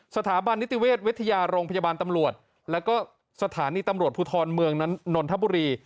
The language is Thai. สถาบันนิติเวชวิทยาโรงพยาบาลตำรวจแล้วก็สถานีตำรวจภูทรเมืองนนทบุรี